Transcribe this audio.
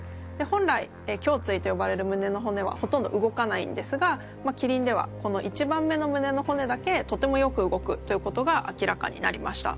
本来胸椎と呼ばれる胸の骨はほとんど動かないんですがキリンではこの１番目の胸の骨だけとてもよく動くということが明らかになりました。